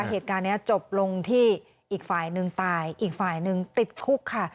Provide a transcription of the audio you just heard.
เหตุการณ์นี้จบลงที่อีกฝ่ายหนึ่งตายอีกฝ่ายหนึ่งติดคุกค่ะ